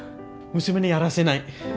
娘にやらせない。